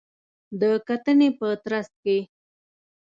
د کتنې په ترڅ کې